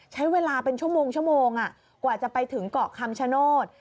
ใช้เวลาเป็นชั่วโมงกว่าจะไปถึงเกาะคำชโนธ